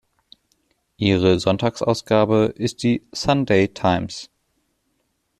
Ihre Sonntagsausgabe ist die "Sunday Times".